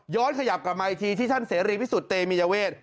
ย้อนขยับกลับมาทีที่ท่านเสรีพิสุทธิ์ตรมิจเวช